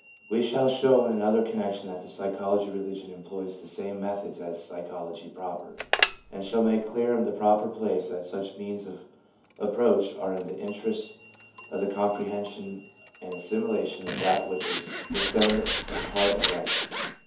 We shall show in another connection that the psychology of religion employs the same methods as psychology proper, and shall make clear in the proper place that such means of approach are in the interest of the com prehension and assimilation of that which is the centre and heart of life.